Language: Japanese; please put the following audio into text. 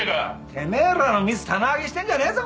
てめえらのミス棚上げしてんじゃねえぞ